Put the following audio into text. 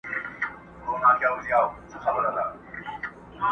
په سندرو په غزل په ترانو کي!